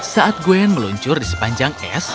saat grand meluncur di sepanjang es